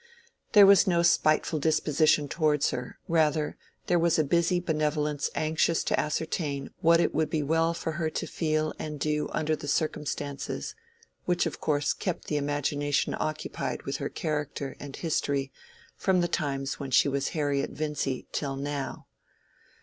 There was no spiteful disposition towards her; rather, there was a busy benevolence anxious to ascertain what it would be well for her to feel and do under the circumstances, which of course kept the imagination occupied with her character and history from the times when she was Harriet Vincy till now.